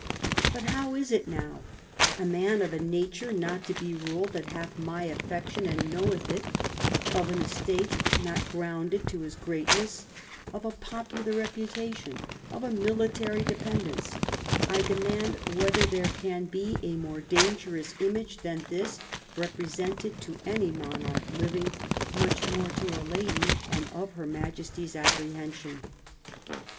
But how is it now? A man of a nature not to be ruled, that hath my affection and knoweth it, of an estate not grounded to his greatness, of a popular reputation, of a military dependence : I demand whether there can be a more dangerous image than this represented to any monarch living, much more to a lady, and of Her Majesty's apprehension